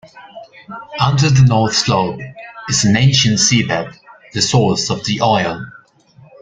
Under the North Slope is an ancient seabed - the source of the oil.